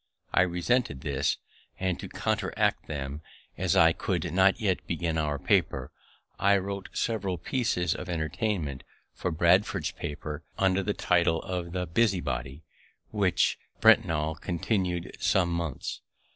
I resented this; and, to counteract them, as I could not yet begin our paper, I wrote several pieces of entertainment for Bradford's paper, under the title of the Busy Body, which Breintnal continu'd some months.